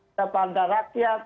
ada pada rakyat